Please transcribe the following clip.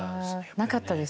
なかったです。